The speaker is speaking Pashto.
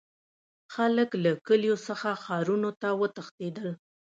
خلک له کلیو څخه ښارونو ته وتښتیدل.